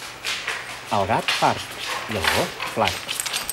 El gat, fart; i el gos, flac.